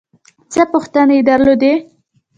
څه پوښتنې یې درلودې.